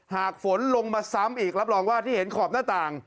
หากฝนลงมาซ้ำอีกรับรองว่าที่เห็นขอบหน้าต่าง